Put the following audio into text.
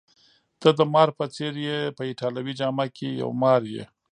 ته د مار په څېر يې، په ایټالوي جامه کي یو مار یې.